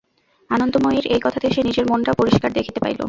আনন্দময়ীর এই কথাতে সে নিজের মনটা পরিষ্কার দেখিতে পাইল।